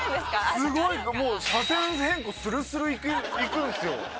すごいもう車線変更スルスルいくんですよ。